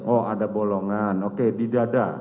oh ada bolongan oke di dada